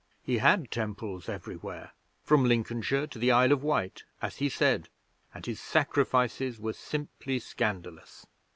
He had temples everywhere from Lincolnshire to the Isle of Wight, as he said and his sacrifices were simply scandalous.